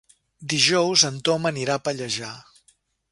Dijous en Tom anirà a Pallejà.